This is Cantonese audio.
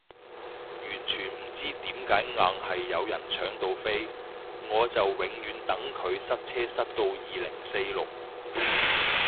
完全唔知點解硬係有人搶到飛，我就永遠等佢塞車塞到二零四六